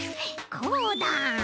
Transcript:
こうだ。